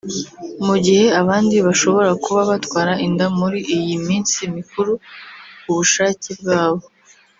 mu gihe abandi bashobora kuba batwara inda muri iyi minsi mikuru ku bushake bwabo